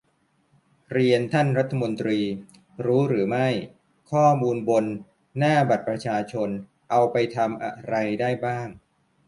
เรียนท่านรัฐมนตรี รู้หรือไม่ ? ข้อมูลบน 'หน้าบัตรประชาชน' เอาไปทำอะไรได้บ้าง